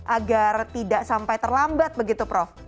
agar tidak sampai terlambat begitu prof